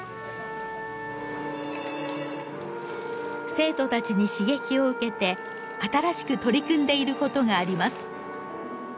生徒たちに刺激を受けて新しく取り組んでいることがあります。